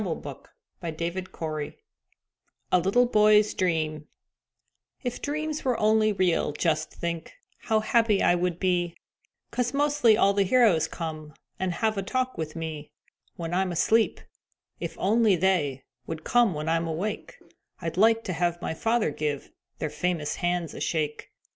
_ A LITTLE BOY'S DREAM If dreams were only real, just think How happy I would be, 'Cause mostly all the heroes come And have a talk with me When I'm asleep; if only they Would come when I'm awake, I'd like to have my father give Their famous hands a shake.